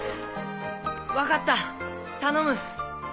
分かった頼む。